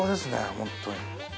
ホントに。